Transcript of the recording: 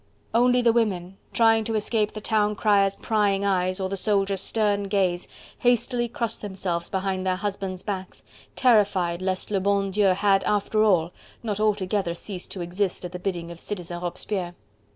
Only the women, trying to escape the town crier's prying eyes, or the soldiers' stern gaze, hastily crossed themselves behind their husbands' backs, terrified lest le bon Dieu had, after all, not altogether ceased to exist at the bidding of Citizen Robespierre.